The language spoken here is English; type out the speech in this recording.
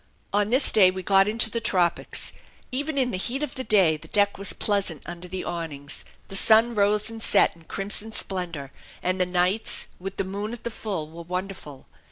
On this day we got into the tropics. Even in the heat of the day the deck was pleasant under the awnings; the sun rose and set in crimson splendor; and the nights, with the moon at the full, were wonderful.